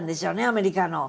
アメリカの。